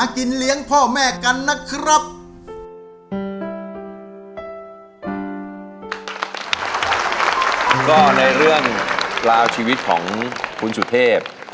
ก็ในเรื่องราวชีวิตของคุณสุเทพ